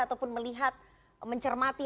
ataupun melihat mencermati